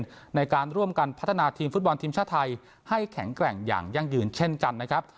ต้องตกรอบแรกไปอย่างน่าเสียดายครับ